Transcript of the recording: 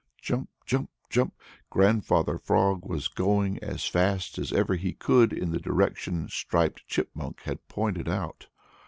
Jump, jump, jump! Grandfather Frog was going as fast as ever he could in the direction Striped Chipmunk had pointed out.